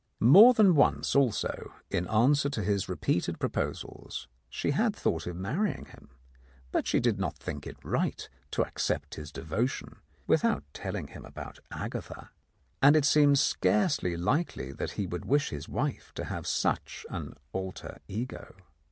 More than once also, in answer to his repeated proposals, she had thought of marrying him, but she did not think it right to accept his de votion without telling him about Agatha, and it seemed scarcely likely that he would wish his wife to have such an alter ego.